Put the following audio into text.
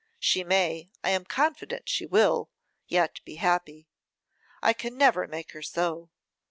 She may, I am confident she will, yet be happy. I can never make her so.